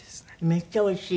めっちゃおいしい？